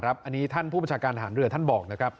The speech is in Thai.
อันนี้ท่านผู้บัญชาการฐานเรือท่านบอกนะครับ